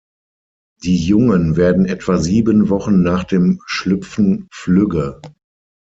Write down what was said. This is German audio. Die Jungen werden etwa sieben Wochen nach dem Schlüpfen flügge.